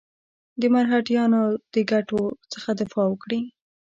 د مرهټیانو د ګټو څخه دفاع وکړي.